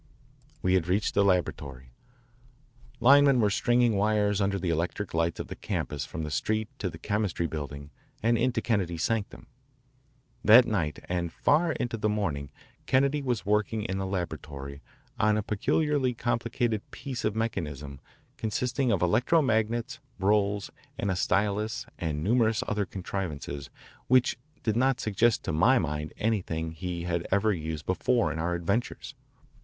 We had reached the laboratory. Linemen were stringing wires under the electric lights of the campus from the street to the Chemistry Building and into Kennedy's sanctum. That night and far into the morning Kennedy was working in the laboratory on a peculiarly complicated piece of mechanism consisting of electro magnets, rolls, and a stylus and numerous other contrivances which did not suggest to my mind anything he had ever used before in our adventures.